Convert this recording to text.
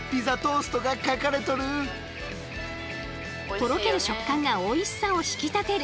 とろける食感がおいしさを引き立てる。